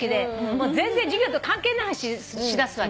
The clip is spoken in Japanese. もう全然授業と関係ない話しだすわけよ。